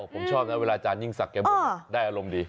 ผมชอบนะเวลาอาจารยิ่งศักดิ์บ่นได้อารมณ์ดี